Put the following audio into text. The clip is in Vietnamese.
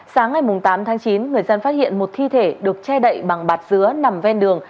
sáng ngày tám tháng chín người dân phát hiện một thi thể được che đậy bằng bạt dứa nằm ven đường